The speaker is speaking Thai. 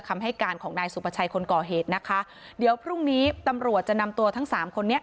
คำให้การของนายสุภาชัยคนก่อเหตุนะคะเดี๋ยวพรุ่งนี้ตำรวจจะนำตัวทั้งสามคนนี้